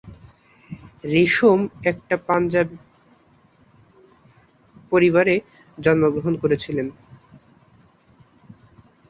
রেশম একটি পাঞ্জাবি পরিবারে জন্মগ্রহণ করেছিলেন।